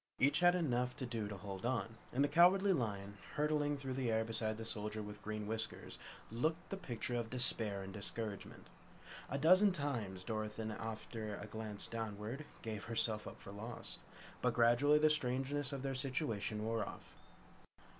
Each had enough to do to hold on, and the Cowardly Lion, hurtling through the air beside the Soldier with Green Whiskers, looked the picture of despair and discouragement. A dozen times Dorothy, after a glance downward, gave herself up for lost. But gradually the strangeness of their situation wore off.